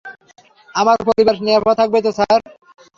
আমার পরিবার নিরাপদ থাকবে তো, স্যার?